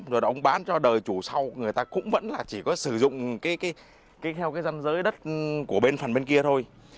rồi ông bán cho đời chủ sau người ta cũng vẫn là chỉ có sử dụng theo cái dân giới đất của phần bên kia thôi